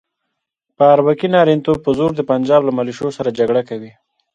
په اربکي نارینتوب په زور د پنجاب له ملیشو سره جګړه کوي.